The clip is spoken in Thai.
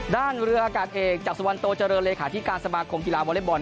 เรืออากาศเอกจากสุวรรณโตเจริญเลขาธิการสมาคมกีฬาวอเล็กบอล